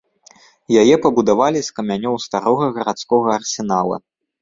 Яе пабудавалі з камянёў старога гарадскога арсенала.